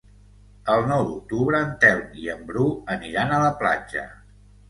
El nou d'octubre en Telm i en Bru aniran a la platja.